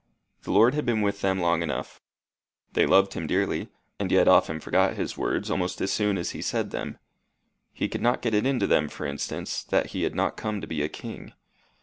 The Lord had been with them long enough. They loved him dearly, and yet often forgot his words almost as soon as he said them. He could not get it into them, for instance, that he had not come to be a king.